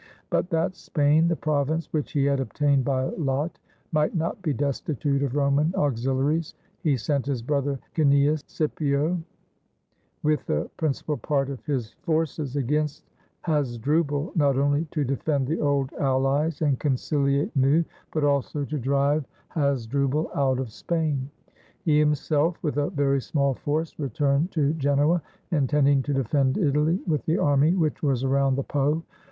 But that Spain, the province which he had obtained by lot, might not be destitute of Roman auxil iaries, he sent his brother Cneius Scipio with the princi pal part of his forces against Hasdrubal, not only to de fend the old allies and conciUate new, but also to drive 340 HOW HANNIBAL MADE HIS WAY TO ITALY Hasdrubal out of Spain. He himself, with a very small force, returned to Genoa, intending to defend Italy with the army which was around the Po.